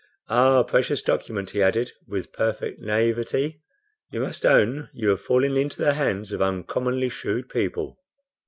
"Ah, precious document," he added, with perfect NAIVETE, "you must own you have fallen into the hands of uncommonly shrewd people."